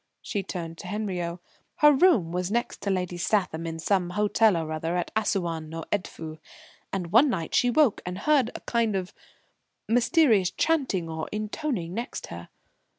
She turned to Henriot. "Her room was next to Lady Statham in some hotel or other at Assouan or Edfu, and one night she woke and heard a kind of mysterious chanting or intoning next her.